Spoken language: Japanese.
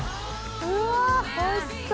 うわおいしそう！